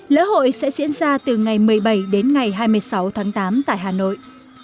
lễ hội sẽ diễn ra từ ngày một mươi bảy đến ngày hai mươi sáu tháng tám tại hà nội